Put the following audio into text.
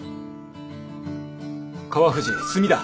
川藤墨だ。